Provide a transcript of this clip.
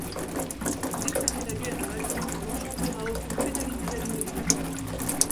Déclarer la guerre à un clan n'engendrera aucune pénalité d'alignement.